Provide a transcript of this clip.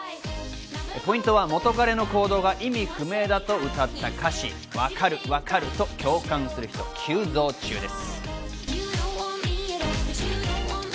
ポイントは元彼の行動が意味不明だと歌った歌詞、分かる分かると共感する人、急増中です。